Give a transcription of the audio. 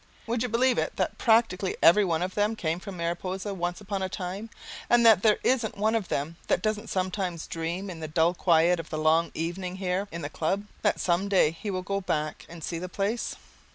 Would you believe it that practically every one of them came from Mariposa once upon a time, and that there isn't one of them that doesn't sometimes dream in the dull quiet of the long evening here in the club, that some day he will go back and see the place.